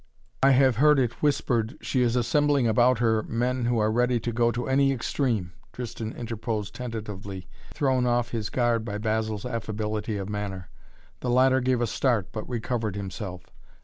"I have heard it whispered she is assembling about her men who are ready to go to any extreme," Tristan interposed tentatively, thrown off his guard by Basil's affability of manner. The latter gave a start, but recovered himself.